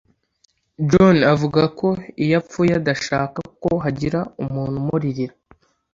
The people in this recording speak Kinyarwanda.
John avuga ko iyo apfuye adashaka ko hagira umuntu umuririra. .